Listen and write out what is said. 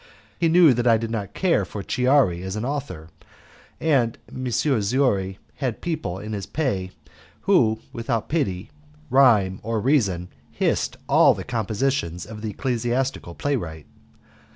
He knew that I did not care for Chiari as an author, and M. Zorzi had in his pay people who, without pity, rhyme, or reason, hissed all the compositions of the ecclesiastical playwright.